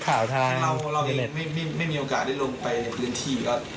เพราะว่าเราไม่มีโอกาสได้ลงไปในพื้นที่